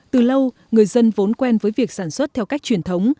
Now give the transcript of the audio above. từ lâu người dân vốn quen với việc sản xuất theo cách truyền thống